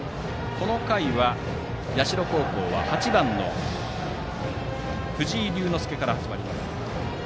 この回は、社高校は８番の藤井竜之介から始まります。